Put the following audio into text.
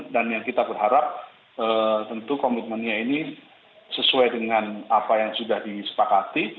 dan yang kita berharap tentu komitmennya ini sesuai dengan apa yang sudah disepakati